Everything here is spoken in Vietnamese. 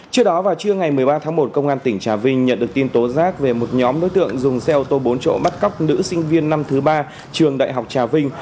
trước đó vào trưa ngày một mươi ba tháng một công an tỉnh trà vinh nhận được tin tố giác về một nhóm đối tượng dùng xe ô tô bốn chỗ bắt cóc nữ sinh viên năm thứ ba trường đại học trà vinh